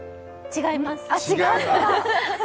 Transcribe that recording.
違います！